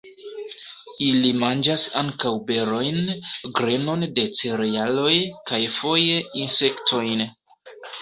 Ili manĝas ankaŭ berojn, grenon de cerealoj kaj foje insektojn.